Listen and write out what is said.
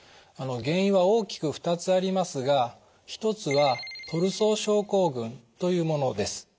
あの原因は大きく２つありますが一つはトルソー症候群というものです。